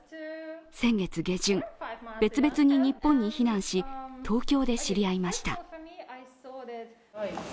先月下旬、別々に日本に避難し東京で知り合いました。